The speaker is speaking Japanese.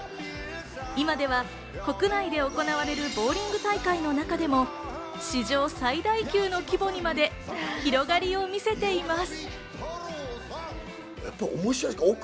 今では国内で行われるボウリング大会の中でも、史上最大級の規模にまで広がりを見せています。